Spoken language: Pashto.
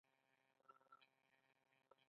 ایا زه باید پاوډر وکاروم؟